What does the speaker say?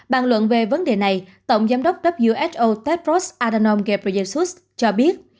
bàn luận về vấn đề này tổng giám đốc who tedros adhanom ghebreyesus cho biết